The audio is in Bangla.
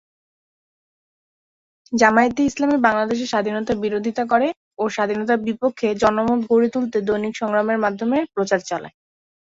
জামায়াতে ইসলামী বাংলাদেশের স্বাধীনতার বিরোধীতা করে ও স্বাধীনতার বিপক্ষে জনমত গড়ে তুলতে দৈনিক সংগ্রামের মাধ্যমে প্রচার চালায়।